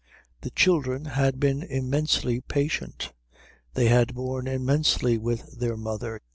The children had been immensely patient. They had borne immensely with their mother.